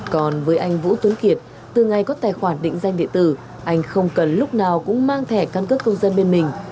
còn với anh vũ tuấn kiệt từ ngày có tài khoản định danh địa tử anh không cần lúc nào cũng mang thẻ căn cước công dân bên mình